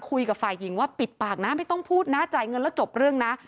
คุยกับฝ่ายหญิงว่าปิดปากนะไม่ต้องพูดนะจ่ายเงินแล้วจบเรื่องนะ